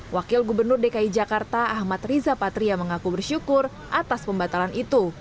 wakil gubernur dki jakarta ahmad riza patria mengaku bersyukur atas pembatalan itu